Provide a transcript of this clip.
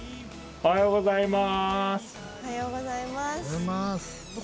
おはようございます。